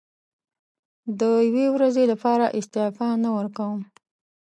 د یوې ورځې لپاره استعفا نه ورکووم.